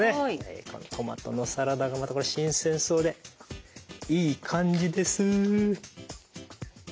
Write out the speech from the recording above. トマトのサラダがまたこれ新鮮そうでいい感じです！